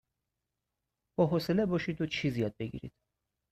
با حوصله باشید و چیز یاد بگیرید.